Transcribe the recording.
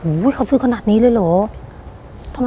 โอ้โหเขาซื้อขนาดนี้เลยเหรอ